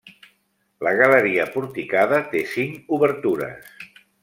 La galeria porticada té cinc obertures.